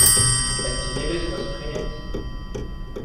Un ti nevez 'c'h eus prenet ?